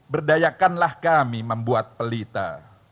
berdayakanlah kami membuat pelita